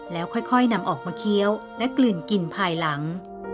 แล้วค่อยนำออกมาเคี้ยวและกลื่นกลิ่นภายหลัง